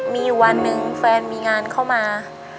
มีอยู่วันหนึ่งแฟนมีงานเข้ามา